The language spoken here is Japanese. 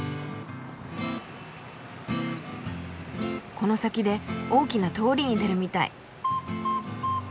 この先で大きな通りに出るみたい。